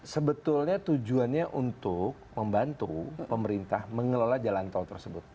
sebetulnya tujuannya untuk membantu pemerintah mengelola jalan tol tersebut